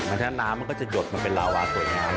หรือถ้าน้ำมันก็จะหยดมันเป็นลาวาสวยงาม